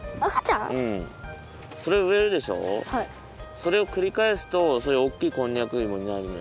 それをくりかえすとそれがおっきいこんにゃくいもになるのよ。